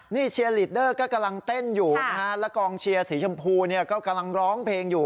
นี่เชียร์ลีดเดอร์ก็กำลังเต้นอยู่นะฮะแล้วกองเชียร์สีชมพูเนี่ยก็กำลังร้องเพลงอยู่